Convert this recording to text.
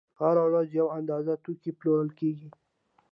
هره ورځ یوه اندازه توکي پلورل کېږي